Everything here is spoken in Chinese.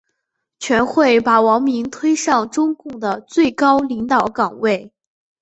全会把王明推上中共的最高领导岗位。